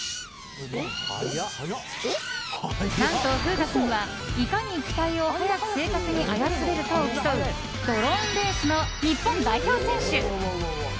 何と風雅君は、いかに機体を速く正確に操れるかを競うドローンレースの日本代表選手。